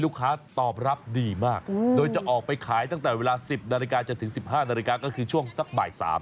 ลูกค้าตอบรับดีมากอืมโดยจะออกไปขายตั้งแต่เวลาสิบนาฬิกาจะถึงสิบห้านาฬิกาก็คือช่วงสักบ่ายสาม